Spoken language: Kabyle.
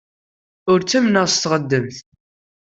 Ur ttamneɣ s teɣdemt.